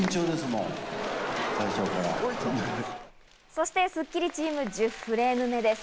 そしてスッキリチーム、１０フレーム目です。